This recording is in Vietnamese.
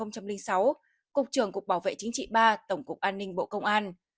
cục trưởng cục bảo vệ chính trị ba tổng cục an ninh bộ công an